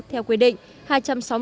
theo quy định